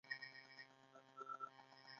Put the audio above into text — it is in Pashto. د جوارو وږي په لښک پاکیږي.